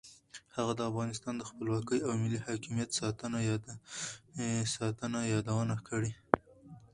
هغه د افغانستان د خپلواکۍ او ملي حاکمیت ساتنه یادونه کړې.